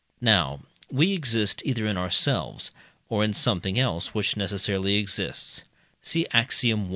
Now we exist either in ourselves, or in something else which necessarily exists (see Axiom.